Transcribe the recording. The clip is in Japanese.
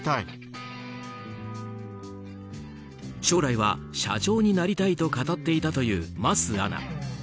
将来は社長になりたいと語っていたという桝アナ。